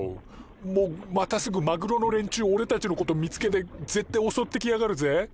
もうまたすぐマグロの連中おれたちのこと見つけて絶対おそってきやがるぜ。